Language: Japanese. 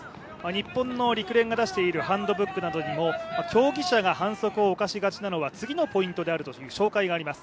日本の陸連が出しているハンドブックなどにも競技者が反則を犯しがちなのは次のポイントがあるという紹介があります。